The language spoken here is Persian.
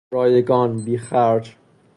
رایگان، بیخرج